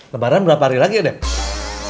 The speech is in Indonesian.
lebaran berapa hari lagi ya dek